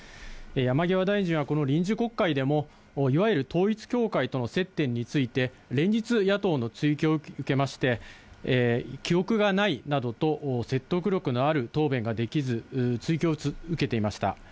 山際大臣はこの臨時国会でも、いわゆる統一教会との接点について、連日、野党の追及を受けまして、記憶がないなどと説得力のある答弁ができず、追及を受けていました。